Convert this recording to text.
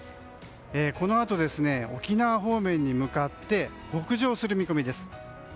このあと沖縄方面に向かって北上する見込みです。